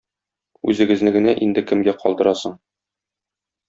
Үзегезне генә инде кемгә калдырасың.